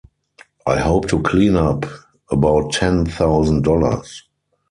I hope to clean up about ten thousand dollars.